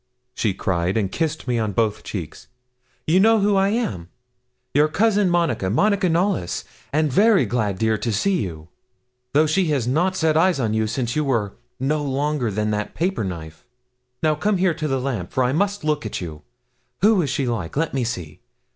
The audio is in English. she cried, and kissed me on both cheeks. 'You know who I am? Your cousin Monica Monica Knollys and very glad, dear, to see you, though she has not set eyes on you since you were no longer than that paper knife. Now come here to the lamp, for I must look at you. Who is she like? Let me see.